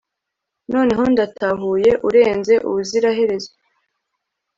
noneho ndatahuye, urenze ubuziraherezo